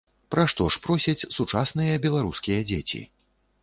Пра што ж просяць сучасныя беларускія дзеці?